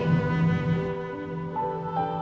ya allah astagfirullah ya allah